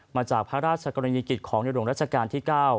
มาจากพระราชกรณียกิจของในหลวงราชการที่๙